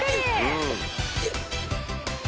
うん。